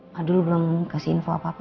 mbak dulu belum kasih info apa apa pak